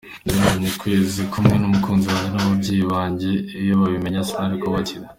Nari maranye ukwezi kumwe n’umukunzi wanjye n’ababyeyi banjye iyo babimenya sinari kubakira.